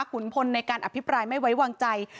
ขุนพลในการอภิปรายไม่ไว้วางใจ